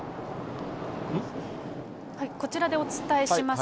こちらでお伝えします。